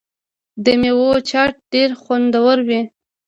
د میوو چاټ ډیر خوندور وي.